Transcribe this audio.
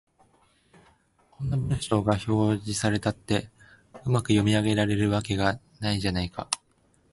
こんな文章が表示されたって、うまく読み上げられるわけがないじゃないか